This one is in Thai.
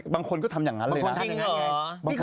บางคนก็ทำอย่างนั้นเลยนะ